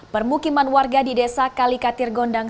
permukiman warga di desa kalikatir gondang